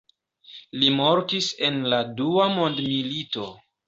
Li mortis en la Dua Mondmilito.